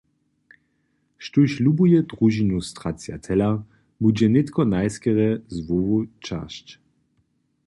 Štóž lubuje družinu stracciatella, budźe nětko najskerje z hłowu třasć.